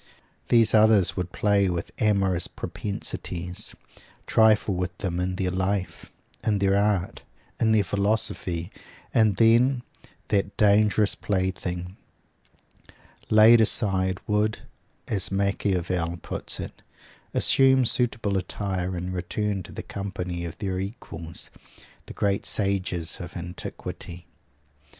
These others would play with amorous propensities; trifle with them in their life, in their art, in their philosophy; and then, that dangerous plaything laid aside would, as Machiavel puts it, "assume suitable attire, and return to the company of their equals the great sages of antiquity."